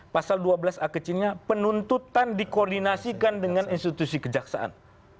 pasal dua belas a kecilnya penuntutan dikoordinasikan dengan institusi kejaksaan